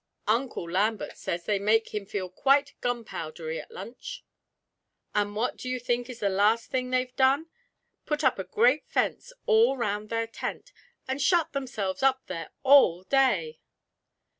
Uncle Lambert says they make him feel quite gunpowdery at lunch. And what do you think is the last thing they've done? put up a great fence all round their tent, and shut themselves up there all day!'